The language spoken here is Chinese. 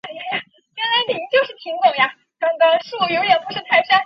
印度不同族群人口间口头语言纷繁众多。